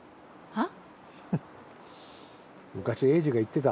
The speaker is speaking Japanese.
あっ